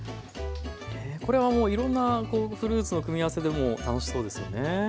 これはもういろんなフルーツの組み合わせでも楽しそうですよね。